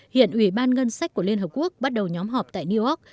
hiện ủy ban ngân sách của liên hợp quốc bắt đầu nhóm họp tại new york